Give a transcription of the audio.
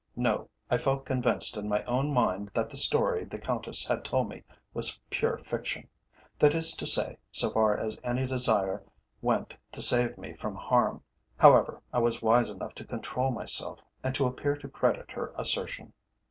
No; I felt convinced in my own mind that the story the Countess had told me was pure fiction that is to say, so far as any desire went to save me from harm. However, I was wise enough to control myself, and to appear to credit her assertion.